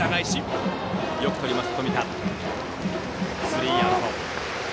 スリーアウト。